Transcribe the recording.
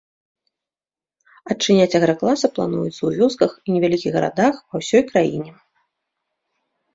Адчыняць агракласы плануецца ў вёсках і невялікіх гарадах па ўсёй краіне.